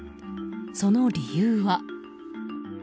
その理由は。